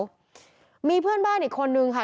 วัดบินนานมีเพื่อนบ้านอีกคนนึงค่ะ